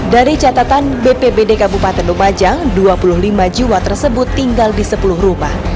dari catatan bpbd kabupaten lumajang dua puluh lima jiwa tersebut tinggal di sepuluh rumah